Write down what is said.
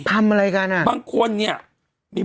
พร้อมอะไรกัน